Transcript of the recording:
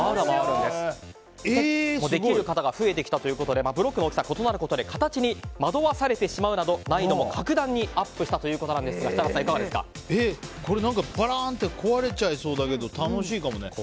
できる方が増えてきたということでブロックの大きさが異なることで形に惑わされてしまうなど難易度も格段にアップしたということなんですがぱらーんって壊れちゃいそうだけど楽しいかもね。